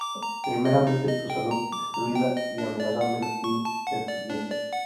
Primeramente tu salud destruida, y amenazando el fin de tus días.